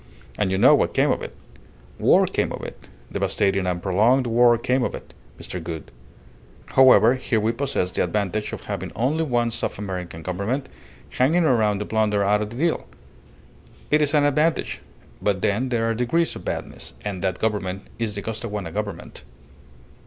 And you know what came of it. War came of it; devastating and prolonged war came of it, Mr. Gould. However, here we possess the advantage of having only one South American Government hanging around for plunder out of the deal. It is an advantage; but then there are degrees of badness, and that Government is the Costaguana Government."